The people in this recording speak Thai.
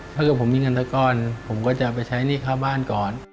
ถ้าเกิดผมมีเงินตะก้อนผมก็จะไปใช้หนี้ค่าบ้านก่อน